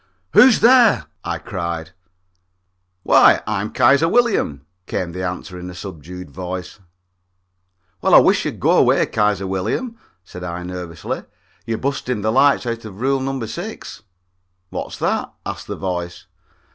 "Who's there?" I cried. "Why, I'm Kaiser William," came the answer in a subdued voice. "Well, I wish you'd go away, Kaiser William," said I nervously, "you're busting the lights out of rule number six." "What's that?" asks the voice.